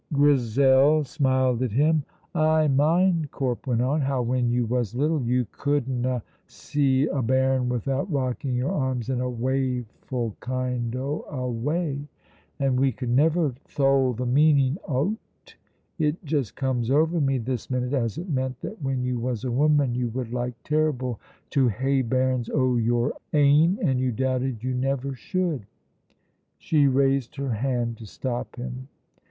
Grizel smiled at him. "I mind," Corp went on, "how when you was little you couldna see a bairn without rocking your arms in a waeful kind o' a way, and we could never thole the meaning o't. It just comes over me this minute as it meant that when you was a woman you would like terrible to hae bairns o' your ain, and you doubted you never should." She raised her hand to stop him.